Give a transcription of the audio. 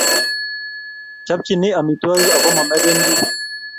chopchini amitwogik ako mameken kiy